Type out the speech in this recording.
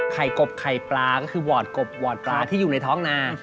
กบไข่ปลาก็คือวอร์ดกบวอดปลาที่อยู่ในท้องนา